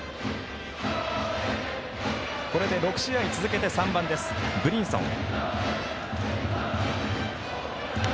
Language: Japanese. これで、６試合続けて３番ブリンソン。